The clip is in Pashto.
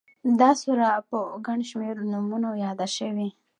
دا سوره په گڼ شمېر نومونو ياده شوې